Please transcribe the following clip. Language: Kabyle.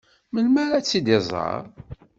Melmi ad tt-iẓeṛ?